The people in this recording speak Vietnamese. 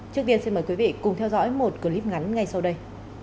trước tiên xin mời quý vị cùng theo dõi một clip ngắn ngay sau đây